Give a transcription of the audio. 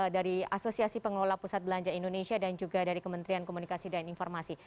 dari asosiasi pengelola pusat belanja indonesia dan juga dari kementerian komunikasi dan informasi